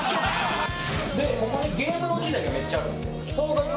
でここにゲームの機材がめっちゃあるんですよ。